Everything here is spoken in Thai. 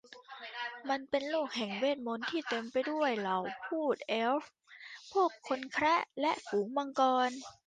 มันเป็นโลกแห่งเวทมนตร์ที่เต็มไปด้วยเหล่าภูตเอลฟ์ พวกคนแคระและฝูงมังกร